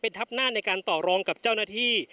พร้อมด้วยผลตำรวจเอกนรัฐสวิตนันอธิบดีกรมราชทัน